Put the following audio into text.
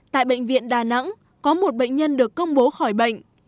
tại bệnh viện đà nẵng có một bệnh nhân được công bố khỏi bệnh